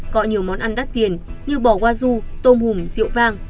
gọi nhiều món ăn đắt tiền như bò hoa ru tôm hùm rượu vang